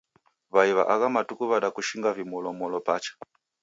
W'ai w'a agha matuku w'adakushinga vimolomolo pacha.